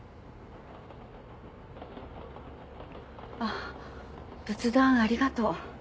あっ仏壇ありがとう。